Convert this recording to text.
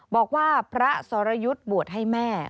บอกว่าพระสรยุทธ์บวชให้แม่